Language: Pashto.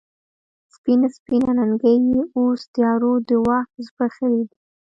سپین، سپین اننګي یې اوس تیارو د وخت زبیښلې دي